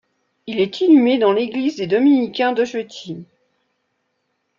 Il est inhumé dans l’église des Dominicains d’Oświęcim.